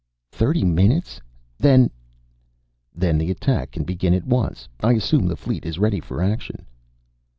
"Thirty minutes! Then " "Then the attack can begin at once. I assume the fleet is ready for action."